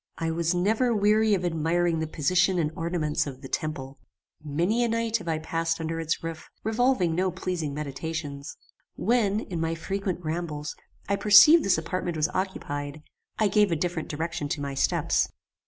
"I was never weary of admiring the position and ornaments of THE TEMPLE. Many a night have I passed under its roof, revolving no pleasing meditations. When, in my frequent rambles, I perceived this apartment was occupied, I gave a different direction to my steps.